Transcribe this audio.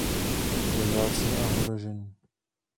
Je vzácný a ohrožený.